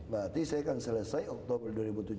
berarti saya akan selesai oktober dua ribu tujuh belas